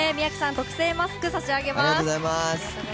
特製マスクを差し上げます。